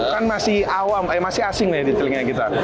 kan masih awam eh masih asing nih di telinga kita